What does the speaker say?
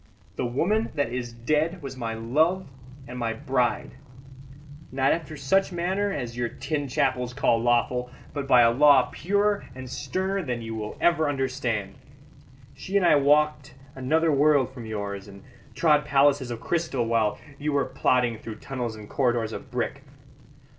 The woman that is dead was my love and my bride; not after such manner as your tin chapels call lawful, but by a law purer and sterner than you will ever understand. She and I walked another world from yours, and trod palaces of crystal while you were plodding through tunnels and corridors of brick.